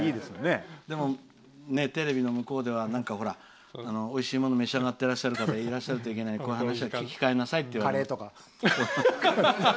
でも、テレビの向こうではおいしいものを召し上がっていらっしゃる方がいらっしゃるといけないからこういう話は控えなさいって言われる。